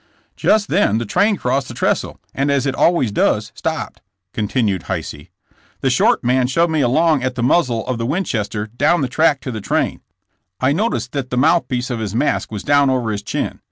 *'Just then the train crossed the trestle, and as it always does, stopped, '^ continued Hisey. The short man shoved me along at the muzzle of the Win chester, down the track to the train. I noticed that the mouthpiece of his mask was down over his chin.